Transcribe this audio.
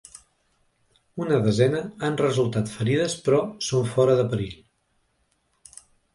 Una desena han resultat ferides però són fora de perill.